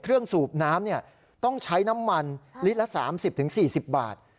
สูบน้ำต้องใช้น้ำมันลิตรละ๓๐๔๐บาท